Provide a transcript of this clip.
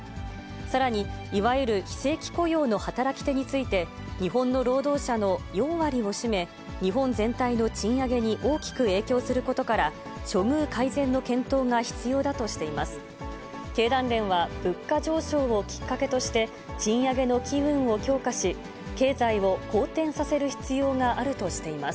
さらに、いわゆる非正規雇用の働き手について、日本の労働者の４割を占め、日本全体の賃上げに大きく影響することから、処遇改善の検討が必要だとしています。